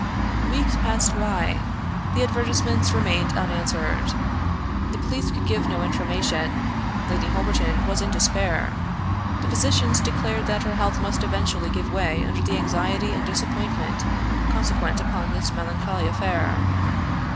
Weeks passed by. The advertisements remained unanswered. The police could give no information. Lady Holberton was in despair; the physicians declared that her health must eventually give way under the anxiety and disappointment consequent upon this melancholy affair.